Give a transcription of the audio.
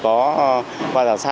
không có vấn đề gì cả